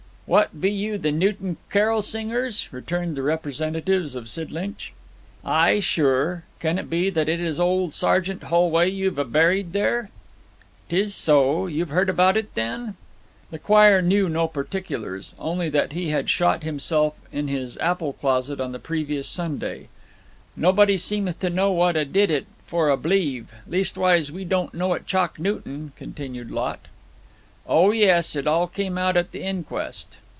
'What be you the Newton carol singers?' returned the representatives of Sidlinch. 'Ay, sure. Can it be that it is old Sergeant Holway you've a buried there?' ''Tis so. You've heard about it, then?' The choir knew no particulars only that he had shot himself in his apple closet on the previous Sunday. 'Nobody seem'th to know what 'a did it for, 'a b'lieve? Leastwise, we don't know at Chalk Newton,' continued Lot. 'O yes. It all came out at the inquest.'